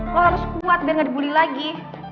lo harus kuat biar gak dibuli lagi